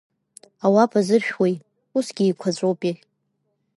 Ауапа зыршәуеи, усгьы еиқәаҵәоупеи?